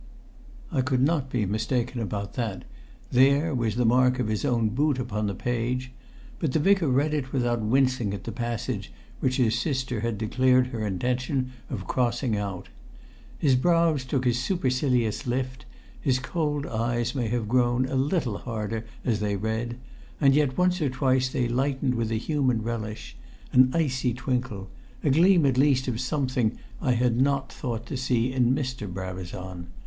I could not be mistaken about that; there was the mark of his own boot upon the page; but the Vicar read it without wincing at the passage which his sister had declared her intention of crossing out. His brows took a supercilious lift; his cold eyes may have grown a little harder as they read; and yet once or twice they lightened with a human relish an icy twinkle a gleam at least of something I had not thought to see in Mr. Brabazon.